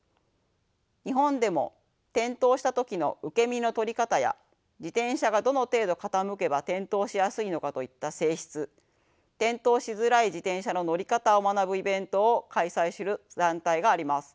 日本でも転倒した時の受け身の取り方や自転車がどの程度傾けば転倒しやすいのかといった性質転倒しづらい自転車の乗り方を学ぶイベントを開催する団体があります。